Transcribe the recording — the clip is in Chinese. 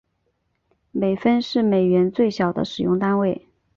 美分是美元最小的使用单位。